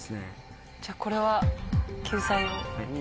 じゃこれは救済を。